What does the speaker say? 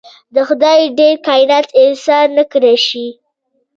د خدای ویړ کاینات ایسار نکړای شي.